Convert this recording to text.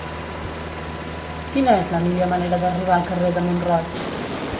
Quina és la millor manera d'arribar al carrer de Mont-roig?